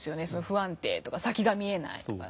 不安定とか先が見えないとか。